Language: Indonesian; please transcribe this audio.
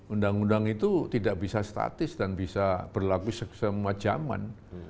undang undang itu tidak bisa statis dan bisa berlaku semajaman